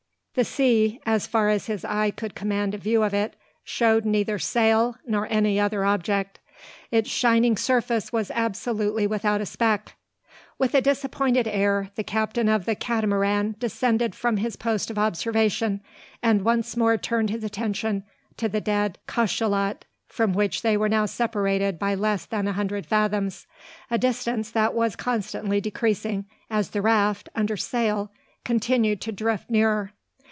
The sea, as far as his eye could command a view of it, showed neither sail, nor any other object. Its shining surface was absolutely without a speck. With a disappointed air, the captain of the Catamaran descended from his post of observation; and once more turned his attention to the dead cachalot from which they were now separated by less than a hundred fathoms, a distance that was constantly decreasing, as the raft, under sail, continued to drift nearer.